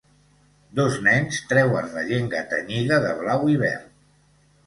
Dos nens treuen la llengua tenyida de blau i verd.